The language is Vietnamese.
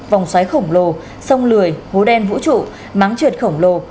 vòng xoáy khổng lồ sông lười hố đen vũ trụ máng trượt khổng lồ